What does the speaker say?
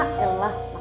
pergi keluar dong